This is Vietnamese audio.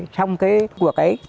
xong cái cuộc ấy